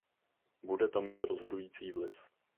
Bude to mít rozhodující vliv.